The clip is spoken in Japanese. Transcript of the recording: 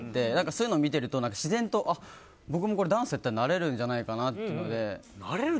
そういうのを見ていると自然と僕もダンスをやったらなれるんじゃないかなというので。